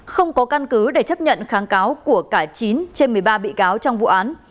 không có căn cứ để chấp nhận kháng cáo của cả chín trên một mươi ba bị cáo trong vụ án